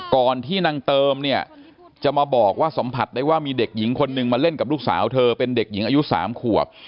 ก่อนที่นางเติมเนี่ยจะมาบอกว่าสัมผัสได้ว่ามีเด็กหญิงคนนึงมาเล่นกับลูกสาวเธอเป็นเด็กหญิงอายุ๓ขวบ